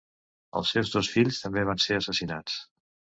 Els seus dos fills també van ser assassinats.